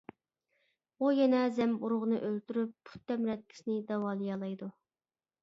ئۇ يەنە زەمبۇرۇغنى ئۆلتۈرۈپ، پۇت تەمرەتكىسىنى داۋالىيالايدۇ.